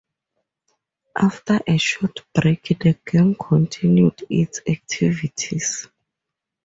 After a short break the gang continued its activities.